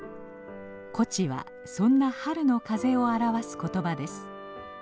「東風」はそんな春の風を表す言葉です。